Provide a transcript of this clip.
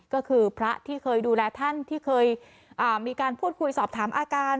ก็คือพระที่เคยดูแลท่านที่เคยมีการพูดคุยสอบถามอาการ